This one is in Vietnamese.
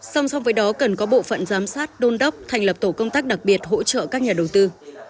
song song với đó cần có bộ phận giám sát đôn đốc thành lập tổ công tác đặc biệt hỗ trợ các nhà đầu tư